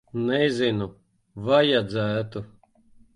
Nezinu. Vajadzētu.